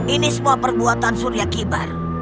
ini semua perbuatan surya kibar